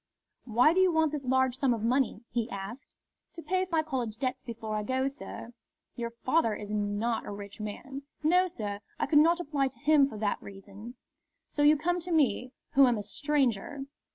"Why do you want this large sum of money?" he asked. "To pay my college debts before I go, sir." "Your father is not a rich man." "No, sir. I could not apply to him for that reason." "So you come to me, who am a stranger!"